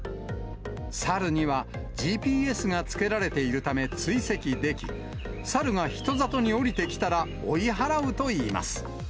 サルにはＧＰＳがつけられているため追跡でき、サルが人里に下りてきたら、追い払うといいます。